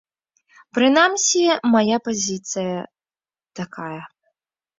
Прынамсі, мая пазіцыя такая.